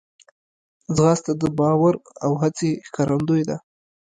ځغاسته د باور او هڅې ښکارندوی ده